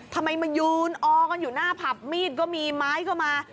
ทำไมมายืนออกันอยู่หน้าผับมีดก็มีไม้ก็มา